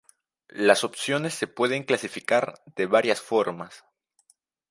Las opciones se pueden clasificar de varias formas.